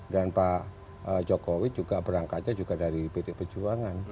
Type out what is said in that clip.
dan pak jokowi juga berangkatnya juga dari pd perjuangan